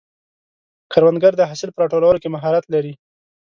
کروندګر د حاصل په راټولولو کې مهارت لري